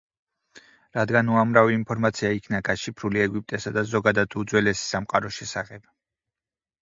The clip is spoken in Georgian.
რადგან უამრავი ინფორმაცია იქნა გაშიფრული ეგვიპტესა და ზოგადად უძველესი სამყაროს შესახებ.